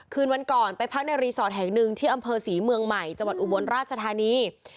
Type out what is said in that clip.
คืนวันก่อนไปพักในรีสอร์ทแห่งหนึ่งที่อำเภอศรีเมืองใหม่จังหวัดอุบลราชธานี